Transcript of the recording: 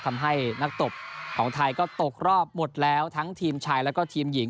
ทำให้นักตบของไทยก็ตกรอบหมดแล้วทั้งทีมชายแล้วก็ทีมหญิง